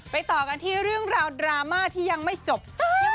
ต่อกันที่เรื่องราวดราม่าที่ยังไม่จบสัก